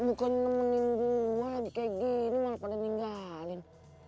bukan nemenin gue lagi kayak gini malah pada ninggalin